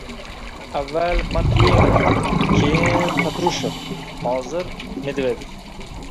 Avval Matviyenko, keyin Patrushev, hozir Medvedev